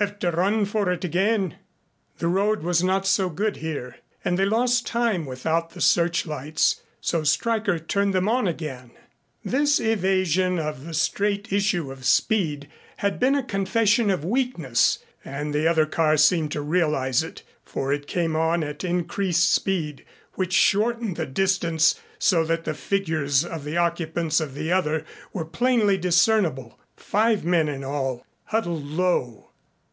"Have to run for it again." The road was not so good here and they lost time without the searchlights, so Stryker turned them on again. This evasion of the straight issue of speed had been a confession of weakness and the other car seemed to realize it, for it came on at increased speed which shortened the distance so that the figures of the occupants of the other were plainly discernible, five men in all, huddled low.